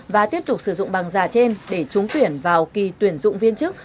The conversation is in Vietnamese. và tiếp tục sử dụng bằng giả trên để trúng tuyển vào kỳ tuyển dụng viên chức